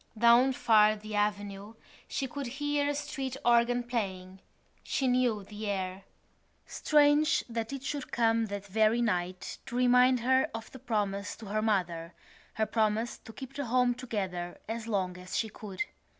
Down far in the avenue she could hear a street organ playing. She knew the air. Strange that it should come that very night to remind her of the promise to her mother, her promise to keep the home together as long as she could.